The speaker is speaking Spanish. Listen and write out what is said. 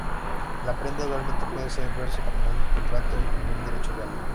La prenda, igualmente puede verse como un contrato o como un derecho real.